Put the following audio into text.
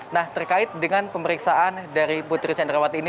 nah terkait dengan pemeriksaan dari putri candrawati ini